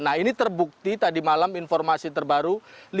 nah ini terbukti tadi malam informasi terbaru